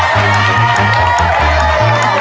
หัวที่หัวข้าง